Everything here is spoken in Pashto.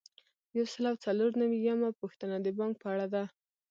یو سل او څلور نوي یمه پوښتنه د بانک په اړه ده.